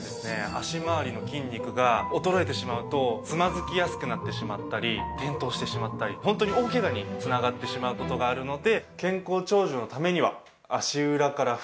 脚回りの筋肉が衰えてしまうとつまずきやすくなってしまったり転倒してしまったりホントに大けがに繋がってしまう事があるので。